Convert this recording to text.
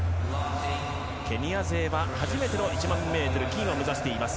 ケニア勢は初めての１００００ｍを目指しています。